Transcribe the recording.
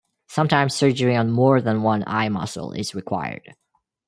Sometimes surgery on more than one eye muscle is required.